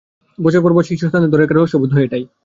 বছরের পর বছর শীর্ষ স্থানটা ধরে রাখার রহস্য বোধ হয় এটাই।